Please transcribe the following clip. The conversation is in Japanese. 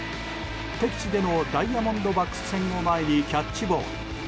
敵地でのダイヤモンドバックス戦を前にキャッチボール。